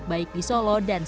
baik di solo dan di jawa tengah